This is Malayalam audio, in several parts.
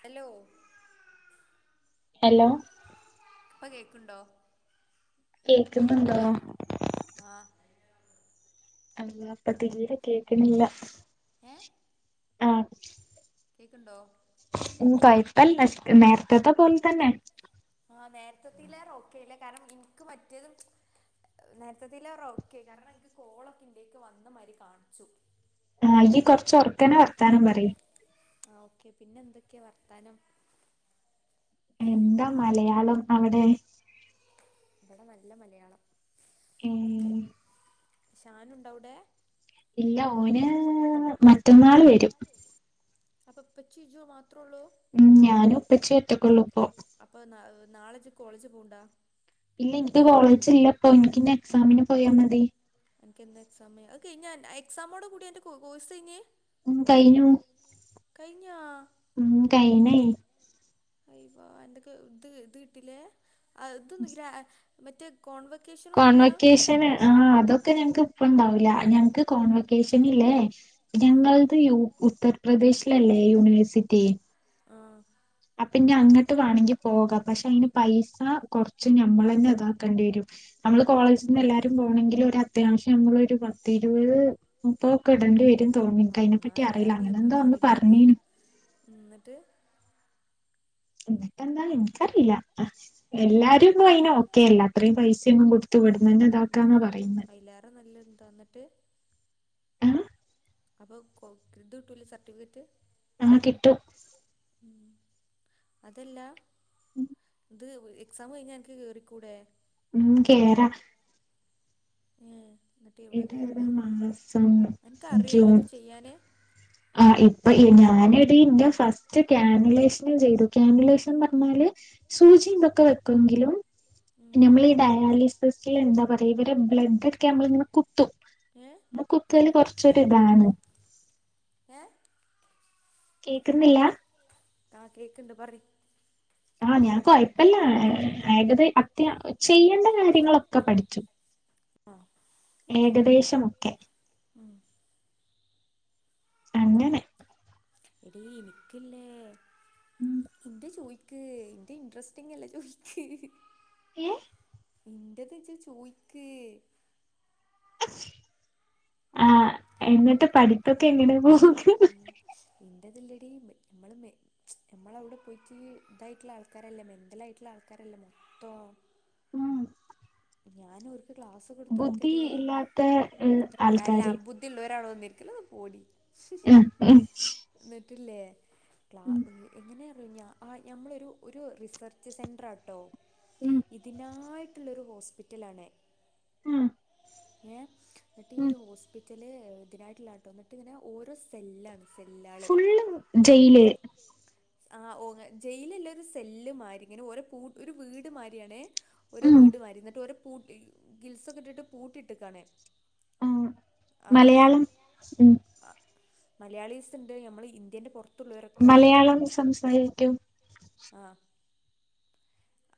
ഹലോ ഹലോ ഇപ്പോകേക്കുണ്ടോ കേക്കുന്നുണ്ടോ ആ അള്ളാ ഇപ്പോ തിരെ കേക്കണില്ല ഏ ആഹ കേക്കുണ്ടോ ഉ കെഴ് പനേരത്തത്തെ പോലെ തന്നെ ആ് നേരത്തത്തില്ലറെ ഓക്കേ ഇല്ല കാരണം എനിക്ക് മറ്റേതും നേരത്തത്തില്ല ഓക്കേ കാരണം എനിക്ക് കോളൊക്കെ ഇന്റെക്ക് വന്ന മാരി കാണിച്ചു ആ ഇയ്കൊറച്ച് ഉറക്ക നെ വർത്താനം പറി ആ ഓക്കെ പിന്നെ എന്തൊക്കെയാ വർത്താനം എന്താ മലയാളം അവിടെ ഇവിടെ നല്ല മലയാളം ഉം ഷാനുണ്ടവിടെ ഇല്ല ഓന് മറ്റന്നാള് വരും അപ്പൊ [unintelligible] ഉം ഞാനും ഇപ്പച്ചി ഒറ്റക്കൊള്ളൂ ഇപ്പൊ നാളെജ് കോളേജ് പോവ്ണ്ടാ ഇല്ല എനിക്ക് കോളേജില്ലപ്പൊ എനിക്കിനി എക്സാമിന് പോയാ മതി എനിക്ക് എന്നാ എക്സാമ് അത് കയിഞ്ഞാ എക്സമോടു കൂടി അൻ്റെ കോഴ് കോഴ്സ് കയിഞ്ഞ് ഉം കയിഞ്ഞു കയിഞ്ഞാ ഉം കയിഞ്ഞേയ് ഐവ എന്തൊക്ക് ഇത് ഇത് കീട്ടിലേ അതൊന്ന് ഗ്രാഹ് മറ്റ് കോൺവെക്കേഷന് ആ അതൊക്കെ ഞങ്ങക്ക് ഇപ്പം ഉണ്ടാവില്ല ഞ ങ്ങക്ക് കോൺവക്കേഷനില്ലേ ആ ഞങ്ങളത് യു ഉത്തർ പ്രദേശിലല്ലേ യൂണിവേഴ്സിറ്റി ആഹ് അപ്പോ പിന്നെ അങ്ങട്ട് വേണങ്കി പോകാം പക്ഷെ അയിന് പൈസ കൊറച്ച് ഞമ്മൾ തന്നെ ഇതാക്കേണ്ടി വരും നമ്മള് ഔ കോളേജിന്ന് എല്ലാരും പോണെങ്കിലൊരാ അത്യാവശ്യം നമ്മളൊരു പത്തിരുവത് മുപ്പൊക്കെ ഇടണ്ടി വരും. തോൺണു ആ ഇൻക്ക് എന്നാ അയിനെപ്പറ്റി അറിയില്ല അങ്ങനെ എന്തോ അന്ന് പറഞ്ഞീനു. ന്നിട്ട് ന്നിട്ടെന്താ ഇൻക്കറീല്ല എല്ലാരും ഇ അയിന ഓക്കേ അല്ല അത്രയും പൈസൊന്നും കൊടുത്ത വിടുന്നന്നെ ഇതാക്കാന്ന പറയുന്ന ആ ന്നിട്ട് അപ്പൊ ഇത് കിട്ടൂല സർട്ടിഫിക്കറ്റ് ആ കിട്ടും ഉം അതല്ല. ഉം അത് എക്സാം കഴിഞ്ഞാ അൻക്ക് കേറിക്കൂടെ ഉം കേറ ഏ എന്നിട്ട് എവിടെ ഇതേത് കേറണ് മാസം അനക്ക് അറിയോ ജൂൺ എല്ലതും ചെയ്യാന് ആ ഇപ്പൊ ഞാനെടീ ന്റെ ഫസ്റ്റ് കാനല [unintelligible] ന്നാല് സൂചി ഇതൊക്കെ വെക്കുങ്കിലും നമ്മളീ ഈ ഡയാലിസിസ്ള് എന്താ പറ തേവരെ ബ്ലെഡ്ഢ്ക്കെ മ്മളിങ്ങനെ കുത്തും ഏ മ്മ കുത്തല് കൊറച്വര് ട്ടിതാണ് ഏ കേക്കുന്നില്ലാ ആ കേക്ക്ണ്ട് പറയ് ആഹ് ഞാക്വായി അല്ല ഏകദേ അത്യാ ചെയ്യേണ്ട കാര്യങ്ങളൊക്കെ പഠിച്ചു ആ ഏകദേശമൊക്കെ ഉം. അങ്ങനെ എടീ ഇനിക്കില്ലേ. ഇന്റെ ചോയ് ക്ക് ഇൻ്റെ ഇൻട്രസ്റ്റിങില്ല ജോയ്ക്ക്. ഏ എൻ്റത്ച്ച് ചോയ്ക്ക് ആ്ചിആ എന്നിട്ട് പഠിപ്പൊക്കെ എങ്ങനെ പോ ഉംചി എൻ്റതില്ലേടി മേ മ്മള് മേ ഞമ്മളവിടെ പോയിട്ട് ഇതായിട്ട്ള്ള ആൾക്കാരല്ലേ മെൻ്റലായിട്ടുള്ള ആൾക്കാരല്ലേ മൊത്തോം ഉം ഞാന് ഒരു ക്ലാസ് കൊടുത്തടുത്ത ബുദ്ധി ഡി ഇല്ലാത്ത ഏഹ് അല്ല ആൾക്കാര് ബുദ്ധിള്ളവരാണോ നിരിക്കലത് പോടി [unintelligible] ട്ടില്ലെ ക്ലാ ഉം നി എങ്ങനെയാ ഞാ ആ ഞമ്മളൊരു ഒരു റിസർച്ച് സെൻ്ററാട്ടോ ഉം ഇതിനായി ത്തിലൊരു ഹോസ് പ്പിറ്റലാണേ മം ഏ അതി ഹോസ്പി റ്റല് ഇതിനായിട്ടുള്ള ആട്ടോ എന്നിട്ട് ഇങ്ങനെ ഓരോ സെല്ലാണ് സെല്ലാള് ഫുള്ളും ജയില് ആ ഓ ജയിലല്ല ഒരു സെല്ല് മാരി ഇങ്ങനെ ഓ ഒരു വീട് മാരിയാണേ ഒരു ഉം വീട് മാതിരി ഇന്നട് ഒരു പൂട്ടി ഗിൽസൊക്കെട്ടിട്ട് പൂട്ടിട്ടക്കാണേ മം മലയാളം മം മലയാളീസ് ഇണ്ട് ഞമ്മള് ഇന്ത്യന്റെ പൊറ പുറത്ത് ഉള്ളോരൊക്കെ ഉണ്ട് മലയാളം സംസാരിക്കും ആ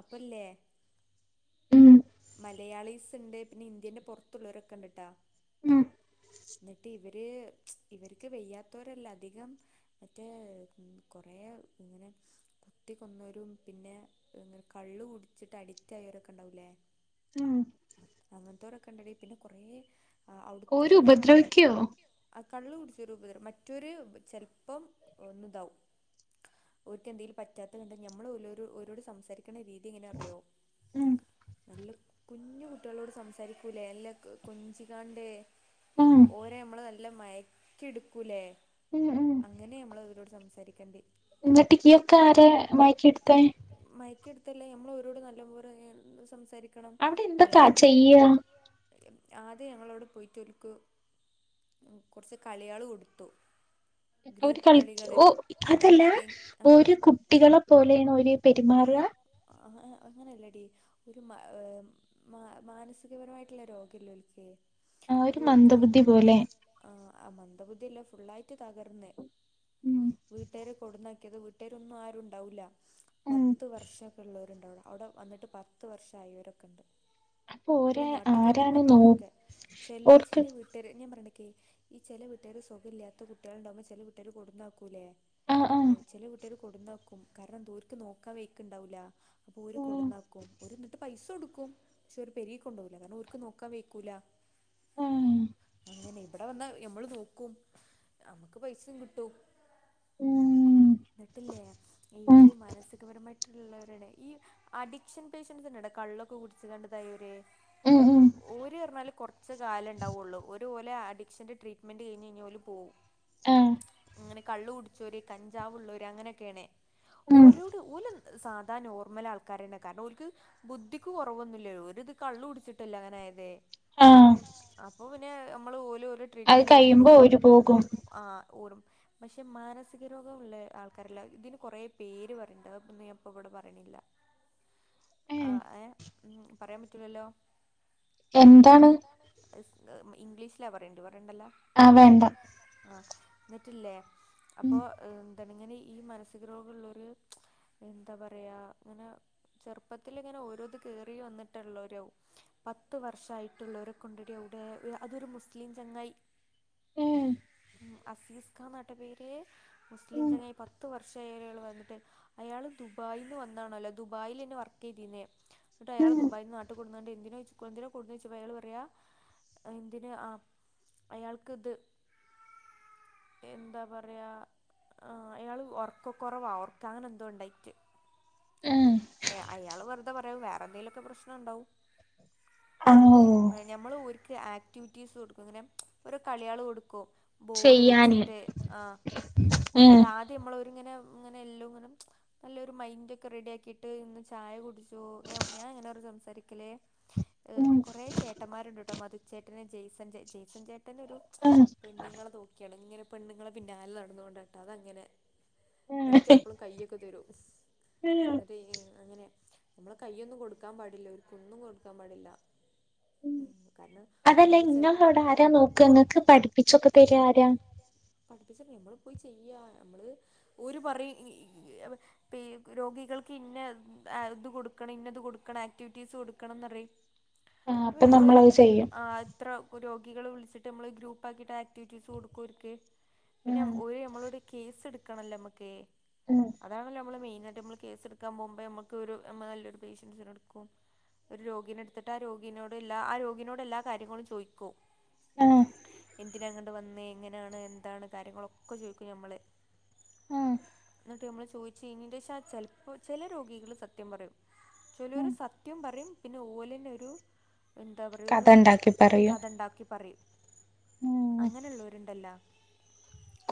അപ്പഠ ല്ലേ ഉമ് മലയാളീസ് ഇണ്ട് പിന്നെ ഇന്ത്യന്റെ പൊറത്തുള്ളവരൊക്കെ ഉണ്ട് ട്ടാ ഉം എന്നിട്ട് ഇവര് ഇവർക്ക് വെയ്യാത്തവരല്ല അധികം മറ്റേ കൊറയ ഇങ്ങനെ കുത്തി കൊന്നവരും പിന്നെ കള്ള് കുടിച്ചിട്ട് അഡിക്റ്റ് ആയവരൊക്കെ ഉണ്ടാവൂലേ ഉം അങ്ങനത്തോരൊകേ ഉണ്ടടീ പിന്നെ കൊറെ ഓരുപദ്രവിക്കോ കള്ള് കുടിച്ചരുപതരം മറ്റൊരു ചെലപ്പം ഒന്ന് ഇതാവും ഒർക്ക് എന്തെങ്കിലും പറ്റാത്തത്ണ്ടെങ്കിൽ ഞമ്മൾരോട് സംസാരി ക്കണ രീതി എങ്ങനെ അർയോ ഉം നല്ല കുഞ്ഞ് കുട്ടികളോട് സംസാരിക്കൂല്ലേ നല്ല കൊഞ്ചികാണ്ട് ഉം ഓരേ മ്മള് ന നല്ല മയക്കിയേടുക്കൂലേ ഉം ഉം അങ്ങനെ നമ്മള് ഇവരോട് സംസാരിക്യാണ്ടേയ് എന്നിട്ട് കീ ഒക്കെ ആരാ മയക്കി എടുത്തേ തല്ലെ നമ്മള് അവരോട് നല്ലപോലെ സംസാ രിക്കണം അവിടെ എന്തൊക്കാ ഞാൻ ചെയ്യാ [unintelligible] ആദ്യം ഞങ്ങളവിടെ പോയിട്ടൊർക്കു കൊറച്ച് കളികള് കൊടുത്തു ഓര് ഗ്രൂപ്പ് കളിക്ക് കളികള് ഓ അതല്ല എ ആ ഓര് കുട്ടികളെ പോലേണോ? പെരുമാറാ ആഹ് അങ്ങനല്ലടി ഒരു മാഹ് മാ മാനസികപരമായിട്ടുള്ള രോഗല്ലേ ഒലിക്ക് ആ അപ്പൊ ഒരു ഒര്ക്ക് മന്ദബുദ്ധി പോലെ ആഹ് ആ മന്ദ ബുദ്ധില്ലോ ഫുള്ളായിറ്റ് തകർന്നെ ഉം വീട്ടാര് കൊടന്നാക്കിയത് വീട്ടാരൊന്നും ആരും ഉണ്ടാവൂല്ല ഉം പത്ത് വർഷൊക്കെ ഉള്ളവരുണ്ടവിടെ അവിടെ വന്നിട്ട് പത്ത് വർഷായി ഇവരൊക്കെ ഉണ്ട് അപ്പൊ ഓരെ ഇപ്പളും നാട്ട്ക്ക് ആരാണ് നോക്ക പോവാത്തവരൊക്കെ ചെല ഓർക്ക് ചില വീട്ടുകാര് ഞാൻ പറേണ ഈ ചെല വിട്ട്കാര് സുഖോല്ലാത്ത കുട്ടികളുണ്ടാവുമ്പോ ചെല വീട്ടാര് കൊടുന്നാക്കും വുലെ ആഹ് ആഹ് ചെല വീട്ടാര് കൊടുന്താക്കും കാരണം ദൂർ നോക്കാൻ വയ്ക്കണ്ടാവൂല്ല അപ്പൊ ഓരു ഉം കൊടന്നാക്കും ഒരു എന്നിട്ട് പൈസ കൊടുക്കും പക്ഷെ ഒരു പെരിക്കു കൊണ്ടകൂല കാരണം ഓർക്ക് നോക്കാൻ വക്കൂല ആഹ് അങ്ങനെ ഇവിടെ വന്നാ നമ്മള് നോക്കും നമ്മുക്ക് പൈസേം കിട്ടും ഉം എന്നിട്ടില്ലേ ഉം ഇവര് മാനസികപരമായി ള്ളവരുടെ ഈ അഡിക്ഷൻ പേഷ്യൻസിന്റെ കള്ളൊക്കെ കുടിച്ച കണ്ടതായിവര് ഉം ഉം ഓരേ ർഞാല് കുറച്ച് കാലൊണ്ടാവുള്ളൂ. ഒരുപോലെ അഡിക്ഷൻന്റെ ട്രീറ്റ്മെന്റ് കഴിഞ്ഞഴിഞ്ഞ ഓല് പോവു ആഹ്. അങ്ങനെ കള്ള് കുടിചോര് കഞ്ച ജാവുള്ളൂര് അങ്ങനൊക്കെണ്. ഉം ഓരോട് ഓല് സാധാ നോർമൽ ആൾക്കാരാണ് കാരണം ഓൽക്ക് ബുദ്ധിക്ക് കുറവൊന്നില്ലല്ലോ ഒരിത് കള്ള് കുടിച്ചിട്ടല്ലോ അങ്ങനയത്. ആഹ്. അപ്പൊ പിന്നെ ഞമ്മള് ഓല് അത് ട്രീറ്റ്മെൻറ് കഴിഞ്ഞതോ കഴിയുമ്പോ ഓര് പോകും [unintelligible] ആ ഓ [unintelligible] പക്ഷെ മാനസിക രോഗമുള്ള ആൾക്കാരല്ല ഇതിന് കൊറേ പേര് പറയണ്ട് അതിന്നിപ്പോ ഞാ ഇവിടെ പറയണില്ല. ആ ഏഹ് എ ഉം പറയാൻ പറ്റൂല്ലല്ലോ. എന്താണ്. ഇംഗ്ലീഷിലാ പറയേണ്ട് പറ ഇണ്ടല്ലോ ആഹ് വേണ്ട ആഹ്. എന്നിട്ടില്ലേ ഉം അപ്പോൾ എന്താണ് ഇങ്ങനെ ഈ മനസ്സിക രോഗമുള്ളൊരു എന്താ പറയാ ഇങ്ങനെ ചെറുപ്പത്തി ഇങ്ങനെ ഓരോത് കേയറി വന്നിട്ടുള്ളവരകവും പത്ത് വർഷയിട്ടുള്ളവരെ കൊണ്ടടി അവിടെ അതൊരു മുസ്ലിം ചങ്ങായി ഉം അസീസ് ഖാൻ എന്നട്ട പേര് മുസ്ലിം ഉം ചങ്ങായി പത്ത് വർഷം രികൾ വന്നിട്ട് അയാൾ ദുബായിൽ നിന്ന് വന്നാണല്ലോ ദുബായിൽ എന്നന്നെ വർക്ക് ചെയ്തിന്നേ എന്നിട്ട് അയാള ഉം ദുബായി്ന്ന് നാട്ടി കൊണ്ടുവന്നിട്ടു എന്തിനെ എന്തിന കൊന്ന് വെച്ചയാ പറയാ എന്തിന് ആ അയാൾക്ക് ഇത് എന്താ പറയാ ആ അയാള് ഉർക്കൊ കൊറവാ ഉറക്ക അങ്ങനെ എന്തോ ഉണ്ടായിട്ട് ഏഹ് ഏ അയാള് പറ എന്താ പറയാ വേറെന്തേലുമൊക്കെ പ്രശ്നം ഉണ്ടാവും ആഹ് ഓഹ് ഞമ്മൾ ഊര് ആക്ടിവിറ്റീസ് കൊടുക്കും അങ്ങനെ ഓരോ കളികൾ കൊടുക്കും ബോള് ചെയ്യാന് വെച്ചിട്ട് ആ ഏഹ് എന്നിട്ട് [inaudible] രിങ്ങനെ ഇങ്ങനെ എല്ലാം ഇങ്ങനെ നല്ലൊരു മൈൻഡ് ഒക്കെ റെഡി ആക്കിയിട്ട് ഇന്ന് ചായ കുടിച്ചു ഞാൻ ഇങ്ങനെ സംസാരിക്കലേ ഉം കുറെ ചേട്ടന്മാരുണ്ട്ട്ടോ മധു ചേട്ടൻ ജയ്സൺ ജയ്സൺ ചേട്ടൻ ചേട്ടനൊരു ആഹ് പെണ്ണുങ്ങളെ നോക്കിയാണ് ഇങ്ങനെ പെണ്ണുങ്ങളെ പിന്നാലെ അതോണ്ടാട്ടാ അതാ അങ്ങനെ ഏഹ് എനിക്കെപ്പളും കയ്യൊക്കെ തരും ഏഹ് എന്നിട്ട് അങ്ങനെ നമ്മള് കയ്യൊന്നും കൊടുക്കാൻ പാടില്ല ഒന്നും കൊടുക്കാൻ പാടില്ല ഉം കാരണം അതല്ല ഓല് സ്ഥലത്ത് ഇങ്ങളവിടെ ആരാ നോക്കാ ഇങ്ങക്ക് പഠിപ്പിച്ചൊക്കെ തരാ ആരാ [unintelligible] നമ്മള് ഒരു പറി രോഗികൾക്ക് ഇന്ന ഇത് കൊടുക്കണം ഇന്നത് കൊടുക്കണം ആക്ടിവിറ്റീസ് കൊടുക്കണംന്ന് പറയും ആഹ് അപ്പൊ നമ്മള് നമ്മളത് ചെയ്യും ഇത്ര രോഗി കുട്ടികൾ വിളിച്ചിട്ട് നമ്മള് ഗ്രൂപ്പ് ആകീട്ട് ആക്ടിവിറ്റീസ് കൊടുക്കും അവർക്ക് പിന്നെ ഉം ഒര് നമ്മളോട് കേസ് എട് ക്കണല്ലമുക്കെ ഉം അതാണല്ലോ നമ്മള് മെയി എന്നിട്ട് നമ്മള് കേസെടുക്കാൻ പോകുമ്പോ നമുക്ക് ഒരു നല്ലൊരു പേഷ്യൻസിനെ എടുക്കും ഒരു രോഗീനെ എടുത്തിട്ട് ആ രോഗിനോട് എല്ലാ ആ രോഗിനോടെല്ലാ കാര്യങ്ങളും ചോദിക്കും ആഹ് എന്തിന ഇങ്ങോട്ട് വന്നെ എങ്ങനാണ് എന്താണ് കാര്യങ്ങളൊ ഒക്കെ ചോദിക്കും ഞമ്മള് അഹ് എന്നിട്ട് നമ്മൾ ചോദിച്ചു [unintelligible] ചെലപ്പോ ചെല രോഗികള് സത്യം പറയും ഉം ചെലൊരു സത്യം പറയും പിന്നെ ഓലിനൊരു എന്താ പറയു കഥ ഒരു ഇണ്ടാക്കി പറയും ഉം അങ്ങനെയുള്ളോരുണ്ടല്ലോ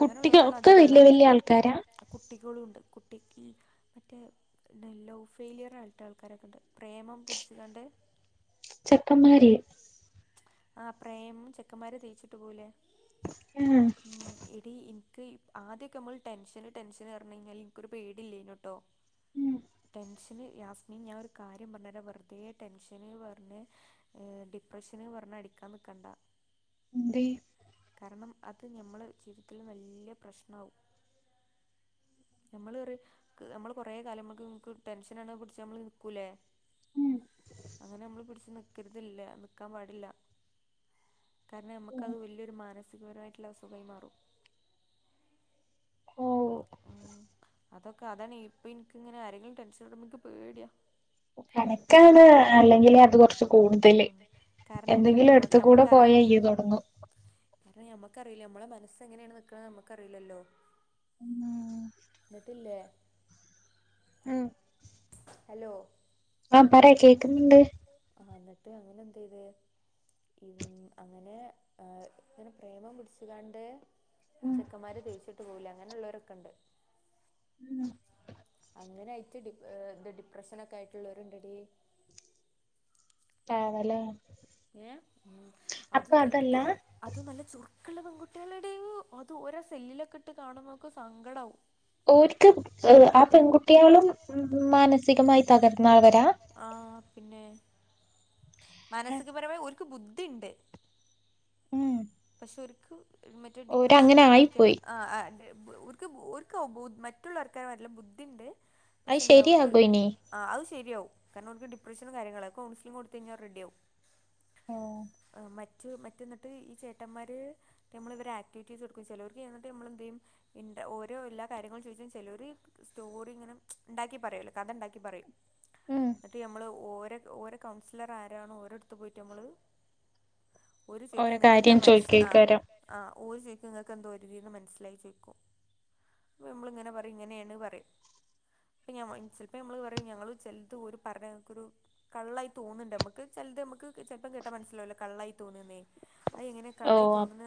കുട്ടികൾ ഒക്കെ വല്യ അധികമുള്ളവര് വല്യ ആൾക്കാരാ കുട്ടികളുണ്ട് ട്ടിക്കി മറ്റേ നെല്ലോഫെയ്‌ലിയർ ആയിട്ട ആൾക്കാരൊക്കെ ഉണ്ട് പ്രേമം പുടിച്ചികണ്ട് ചെക്കൻമാരി ആ പ്രേം ചെക്കന്മാര് തേച്ചിട്ട് പോവുലേ ആഹ് മ് എടി ഇ ക്കി ആദ്യൊക്കെ നമ്മൾ ടെൻഷന് ടെൻഷന് കാരണം ഇനി എനിക്കൊരു പേടില്ലേനുട്ടോ ടെൻ യാസ്മൻ ഞാനൊ ഒരു കാര്യം പറഞ്ഞ വെറുതെ ടെൻഷന് പറ പ്രശ്ന പറഞ്ഞാ അടിക്കാൻ നിൽക്കണ്ട എന്തെ കാരണം അത് നമ്മെ ജീവിതത്തി നല്ല പ്രശ്നമാവും നമ്മൾ നമ്മള് കൊറെ കാലങ്ങക്ക് ടെൻഷനാണ് പിടിച്ച് നമ്മള് നിക്കൂലേ അങ്ങനെ നമ്മള് പിടിച്ച് നിക്കരുതല്ല ആക്കാൻ പാടില്ല കാരണം നമുക്ക്ത് വലിയൊരു മാനിക മുഴുവനായിട്ടുള്ള അസുഖായി മാറും ഓ ഉം അതൊക്കെ അതാണ് ഇപ്പ എനിക്കിങ്ങനെ ആരെങ്കിലും ടെൻഷനിടുമ്പോ ൻക്ക് പേടിയാ എനക്കാണ് കാരണം അല്ലെങ്കിലേ അത് കൊറച്ച് കൂടുതല്. കാരണം എന്താറിയോ എന്തെങ്കിലും നമ്മ അടുത്ത് കൂടെ നമ്മക്കറി പോയ ഇയ്യ് തുടങ്ങും എനക്കറിയില്ല അറിയില്ല ഞമ്മളെ മനസ്സ് എങ്ങനെയാണ് നിക്കണ് നമുക്ക് അറിയില്ലല്ലോ ഉം എന്നിട്ടില്ലേ ആ ഹലോ ആ പറയ്‌ കേക്ക്ന്ന്ണ്ട് ആ എന്നിട്ട് അങ്ങനെ എന്ത് ചെയ്ത് ഇങ് അങ്ങനെ ഏ ഇങ്ങനെ പ്രേമം പിടിച്ച് ക്കാണ്ട് ചെക്കന്മാര് തേച്ചി ട്ട് പോകൂലെ അങ്ങനെ ഉള്ളോരൊക്കെ ഉണ്ട് ഉം അങ്ങനെ ആയിറ്റ് ഡി ഏ ഡിപ്രഷനൊക്കെ ആയിട്ടുള്ളോരുണ്ടടി ആണല്ലേ എ അത് അപ്പൊ നല്ല അതല്ല നല്ല അത് നല്ല ചുർ ക്ക്ള്ള പെൺകുട്ടിയേളടീ അത് ഓരോ സെല്ലിലൊക്കെ ഇട്ട് കാണുമ്പോ നമുക്ക് സങ്കടാവും. ട്ട്യാളും മന നസികമായി തകർന്നവരാ? ആഹ് പിന്നെ മാനസികപരമായി ഒരു ബുദ്ധിയുണ്ട് ചെലർക്ക് മറ്റേ ഡിപ്രഷനും ഓരങ്ങനെ മറ്റ് എന്തൊക്കെയാണ് ആയിപ്പോയി ആഹ് ഓർക്ക് ഓർക്ക് മറ്റുള്ളർക്ക് നല്ല ബുദ്ധിണ്ട് പക്ഷെ അത് എന്താ അവർക്ക് ശരിയാകും ഇനി ആ അത് ശരിയാവും കാരണം അവർക്ക് ഡിപ്രഷനും കാര്യങ്ങളുമാ അപ്പോ കൗൺസിലിങ് കൊടുത്ത് കഴിഞ്ഞാൽ റെഡിയാവും ആഹ് മറ്റ് മറ്റ് എന്നിട്ട് ഈ ചേ ചേട്ടന്മാര് നമ്മൾ ഇവരെ ആക്ടിവിറ്റീസ് പഠിപിചാലോ ഇവവർക്ക് ചെന്നിട്ട് നമ്മൾ എന്ത്ചെയ്യും ഓരോ എല്ലാം കാര്യങ്ങളും ചോദിച്ചാൽ ചിലോര് സ്റ്റോറി ഇങ്ങനെ ഇണ്ടാക്കി പോയല്ലോ കഥ ഇണ്ടാക്കി പറയും ഉം എന്നിട്ട് നമ്മള് ഓ ഓരോ കൗൺസിലർ ആരാണോ ഓരോടുത്ത് പോയിട്ട് നമ്മള് ഒരു [unintelligible] ര്യം ചോയിക്കെക്കാരം ഓര് ചോയിക്കും ങ്ങക്ക് എന്തോ ഓരെതിന്ന് മനസ്സിലായി ചോയിക്കും പ്പ മ്മളിങ്ങനെ പറയും ഇങ്ങനേണ് പറയും പ്പ ഞമ്മ ചെലപ്പ മ്മൾ പറയും ഞമ്മള് ചെല്ത് ഓര് പറഞ്ഞത് ക്കൊരു കള്ളായി തോന്ന്ന്ന്ണ്ട് മ്മക്ക് ചെല്ത് മ്മക്ക് ചെൽപ്പം കേട്ടാ മനസ്സിലാവൂലെ കള്ളായി തോന്ന്ന്ന് അയാ എങ്ങനെ കള്ളായി ഓ തോന്ന്ണ്